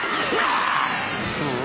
うん？